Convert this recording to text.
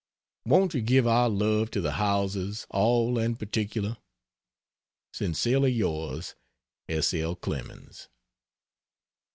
Won't you give our love to the Howellses all and particular? Sincerely yours S. L. CLEMENS.